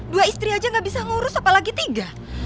dua istri aja gak bisa ngurus apalagi tiga